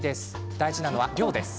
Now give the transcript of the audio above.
大事なのは、その量です。